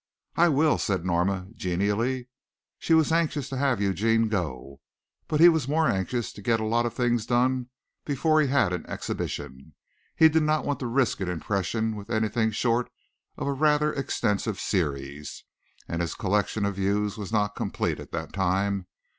"I will," said Norma, genially. She was anxious to have Eugene go, but he was more anxious to get a lot of things done before he had an exhibition. He did not want to risk an impression with anything short of a rather extensive series. And his collection of views was not complete at that time.